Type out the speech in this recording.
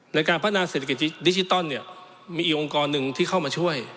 ในการพัฒนาเศรษฐกิจดิจิตอลเนี่ยมีอีกองค์กรหนึ่งที่เข้ามาช่วย